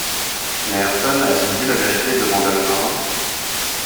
Mais Ayrton a-t-il dit la vérité demanda le marin